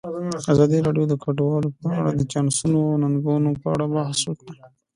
ازادي راډیو د کډوال په اړه د چانسونو او ننګونو په اړه بحث کړی.